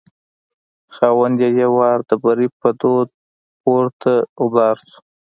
خاوند یې یو وار د بري په دود پورته غورځار شو.